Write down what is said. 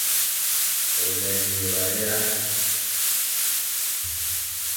One ewula ya?